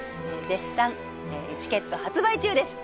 絶賛チケット発売中です